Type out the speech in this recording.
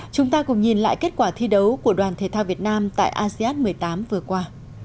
chúng ta cùng nhìn lại kết quả thi đấu của đoàn thể thao việt nam tại asean một mươi tám vừa qua